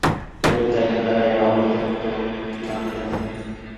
কেবল ত্যাগের দ্বারাই এই অমৃতত্ব লাভ হইয়া থাকে।